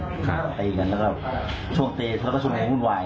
ตีกันแล้วก็ช่วงตีแล้วก็ชนแรงวุ่นวาย